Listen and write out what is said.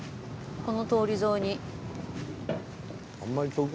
この通り沿いに。